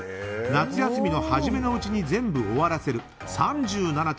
夏休みのはじめのうちに全部終わらせるが３７．６％。